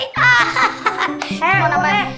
eh mau nambah